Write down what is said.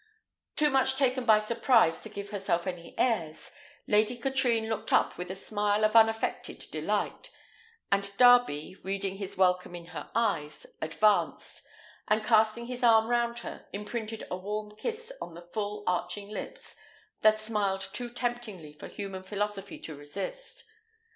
Too much taken by surprise to give herself any airs, Lady Katrine looked up with a smile of unaffected delight, and Darby, reading his welcome in her eyes, advanced, and casting his arm round her, imprinted a warm kiss on the full arching lips that smiled too temptingly for human philosophy to resist.